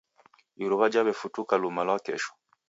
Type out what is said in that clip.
Iruwa jawefutuka luma lwa kesho.